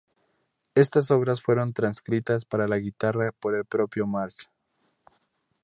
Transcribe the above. Estas obras fueron transcritas para la guitarra por el propio Marche.